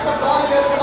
berpikir yang penting